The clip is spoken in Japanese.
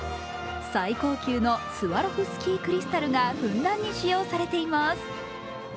最高級のスワロフスキークリスタルがふんだんに使用されています。